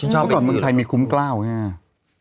ก็ก่อนมือใครมีคุ้มกล้าวรึไง